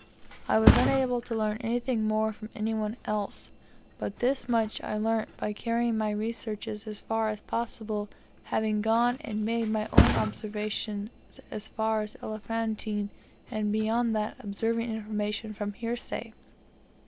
I was unable to learn anything more from any one else. But thus much I learnt by carrying my researches as far as possible, having gone and made my own observations as far as Elephantine, and beyond that obtaining information from hearsay.